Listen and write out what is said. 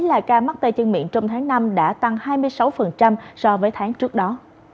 số ca mắc tay chân miệng trong tháng năm đã tăng hai mươi sáu so với tháng trước đó